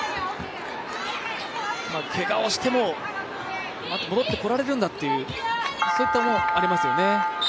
けがをしても戻ってこられるんだというそういったものもありますよね。